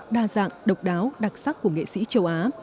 đa dạng độc đáo đặc sắc của nghệ sĩ châu á